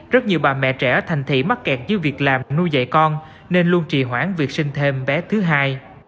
rất nhiều bà mẹ trẻ thành thị mắc kẹt dưới việc làm nuôi dạy con nên luôn trì hoãn việc sinh thêm bé thứ hai